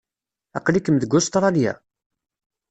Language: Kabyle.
Aql-ikem deg Ustṛalya?